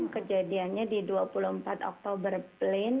kejadiannya di dua puluh empat oktober plain